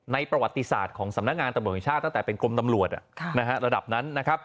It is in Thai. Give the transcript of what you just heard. ประวัติศาสตร์ของสำนักงานตำรวจแห่งชาติตั้งแต่เป็นกรมตำรวจระดับนั้นนะครับ